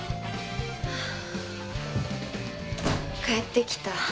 帰ってきた。